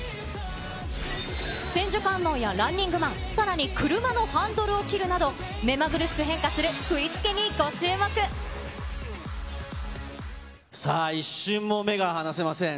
千手観音やランニングマン、さらに車のハンドルを切るなど、目まぐるしく変化する振り付けにさあ、一瞬も目が離せません。